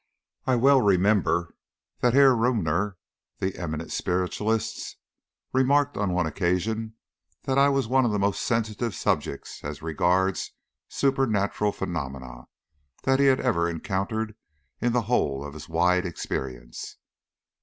I well remember that Herr Raumer, the eminent spiritualist, remarked on one occasion that I was the most sensitive subject as regards supernatural phenomena that he had ever encountered in the whole of his wide experience.